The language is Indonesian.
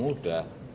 ini tidak mudah